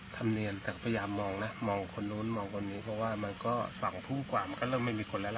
ทำเนี่ยแต่มองกันเนี่ยฟังผู้กว่านี้ว่าไม่มีคนแล้วล่ะ